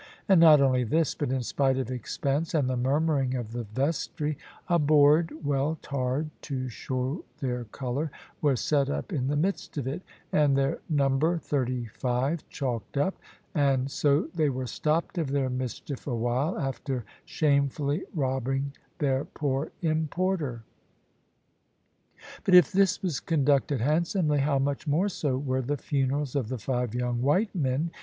And not only this, but in spite of expense and the murmuring of the vestry, a board well tarred (to show their colour) was set up in the midst of it, and their number "35" chalked up; and so they were stopped of their mischief awhile, after shamefully robbing their poor importer. But if this was conducted handsomely, how much more so were the funerals of the five young white men!